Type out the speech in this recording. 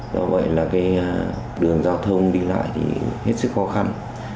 do vậy là cái đường giao thông đi lại thì hết sức khó khăn